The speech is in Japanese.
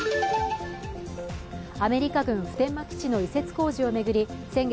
アメリカ軍普天間基地の移設工事を巡り先月